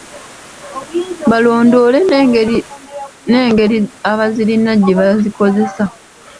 Balondoole n’engeri abazirina gye bazikozesa.